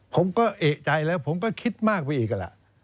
ผมก็เอกใจแล้วผมก็คิดมากไปอีก